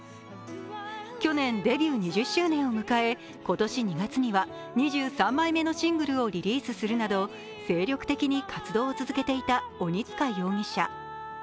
去年デビュー２０周年を迎え今年２月には２３枚目のシングルをリリースするなど精力的に活動を続けていた鬼束容疑者。